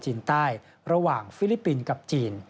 ใต้ระหว่างฟิลิปปินส์กับจีน